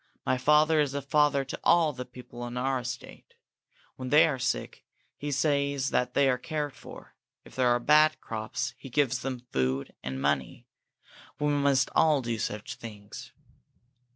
My father is a father to all the people on our estate. When they are sick, he sees that they are cared for. If there are bad crops, he gives them food and money. We must all do such things."